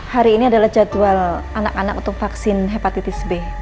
hari ini adalah jadwal anak anak untuk vaksin hepatitis b